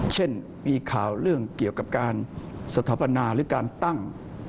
เช่นมีข่าวเรื่องเกี่ยวกับการสถาปนาหรือการตั้ง